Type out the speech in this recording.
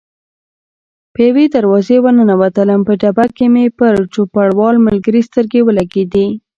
په یوې دروازې ور ننوتلم، په ډبه کې مې پر چوپړوال ملګري سترګې ولګېدې.